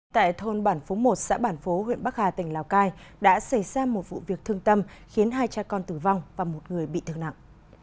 tại thôn bản phú một xã bản phố huyện bắc hà tỉnh lào cai đã xảy ra một vụ việc thương tâm khiến hai cha con tử vong và một người bị thương nặng